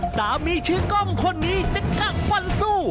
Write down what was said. สามีชื่อกล้องคนนี้จะกัดฟันสู้